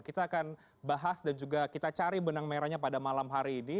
kita akan bahas dan juga kita cari benang merahnya pada malam hari ini